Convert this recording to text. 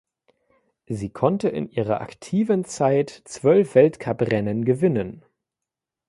Sie konnte in ihrer aktiven Zeit zwölf Weltcup-Rennen gewinnen.